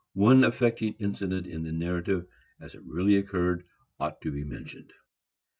One affecting incident in the narrative, as it really occurred, ought to be mentioned.